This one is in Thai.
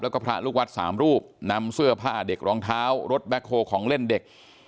แล้วก็พระลูกวัดสามรูปนำเสื้อผ้าเด็กรองเท้ารถแบ็คโฮลของเล่นเด็ก